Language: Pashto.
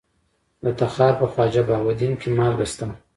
د تخار په خواجه بهاوالدین کې مالګه شته.